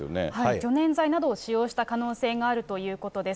助燃剤などを使用した可能性があるということです。